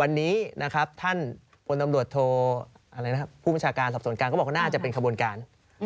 วันนี้ครับท่านบสโทษผู้มิชาการสถมนตรฐานบอกน่าจะเป็นขบวนการ